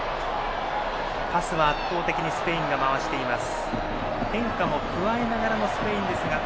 パスは圧倒的にスペインが回しています。